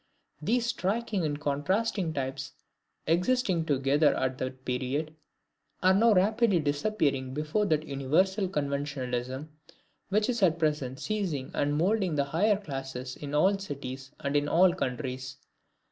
These striking and contrasting types existing together at that period, are now rapidly disappearing before that universal conventionalism which is at present seizing and moulding the higher classes in all cities and in all countries.